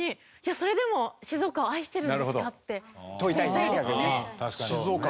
それでも静岡を愛してるんですかって問いたいですね。